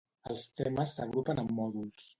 Els temes s'agrupen en mòduls.